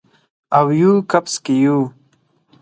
اویو کپس کې یو